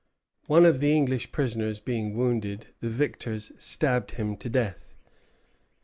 One of the English prisoners being wounded, the victors stabbed him to death.